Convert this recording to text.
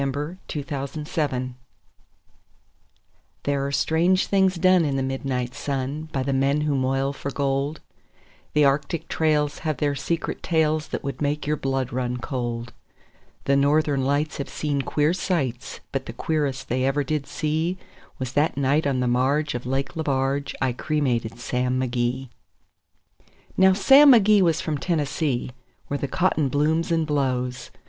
The Cremation of Sam Mcgee There are strange things done in the midnight sun By the men who moil for gold; The Arctic trails have their secret tales That would make your blood run cold; The Northern Lights have seen queer sights, But the queerest they ever did see Was that night on the marge of Lake Lebarge I cremated Sam McGee. Now Sam McGee was from Tennessee, where the cotton blooms and blows.